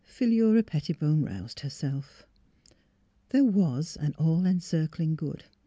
Philura Pettibone roused herself. There was an All Encircling Good.